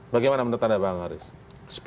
bagaimana menurut anda pak angharis